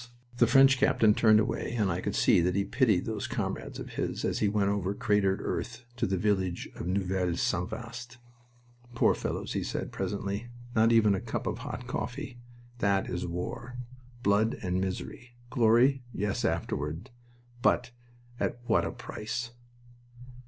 The French captain turned away and I could see that he pitied those comrades of his as we went over cratered earth to the village of Neuville St. Vaast. "Poor fellows," he said, presently. "Not even a cup of hot coffee!... That is war! Blood and misery. Glory, yes afterward! But at what a price!"